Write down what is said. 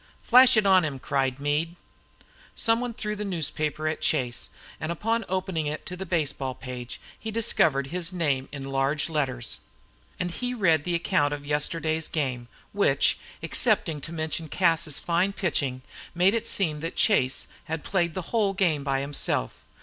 "Flash it on him," cried Meade. Some one threw a newspaper at Chase, and upon opening it to the baseball page he discovered his name in large letters. And he read an account of yesterday's game, which, excepting to mention Cas's fine pitching, made it seem that Chase had played the whole game himself.